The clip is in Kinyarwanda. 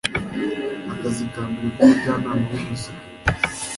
akazi ka mbere k'umujyanama w'ubuzima